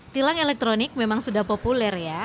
tilang elektronik memang sudah populer ya